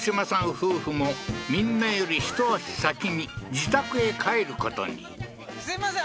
夫婦もみんなより一足先に自宅へ帰ることにすいません